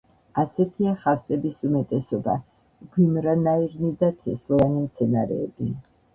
ასეთია ხავსების უმეტესობა, გვიმრანაირნი და თესლოვანი მცენარეები.